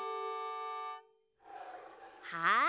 はい。